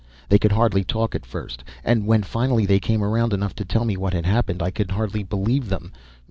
They could hardly talk at first, and when finally they came around enough to tell me what had happened I could hardly believe them.